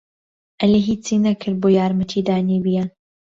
عەلی ھیچی نەکرد بۆ یارمەتیدانی ڤیان.